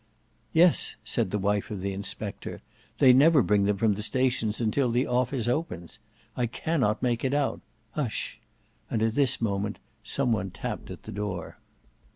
"Yes," said the wife of the inspector. "They never bring them from the stations until the office opens. I cannot make it out. Hush!" and at this moment some one tapped at the door.